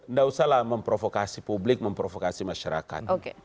nggak usah lah memprovokasi publik memprovokasi masyarakat